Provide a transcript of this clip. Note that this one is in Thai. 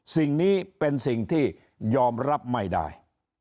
สิ่งนี้เป็นสิ่งที่ยอมรับไม่ได้